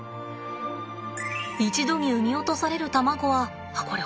一度に産み落とされる卵はあっこれ本物だよ。